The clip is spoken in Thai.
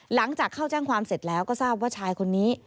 หลังจากเข้าแจ้งความเสร็จแล้วก็ทราบว่าชายคนนี้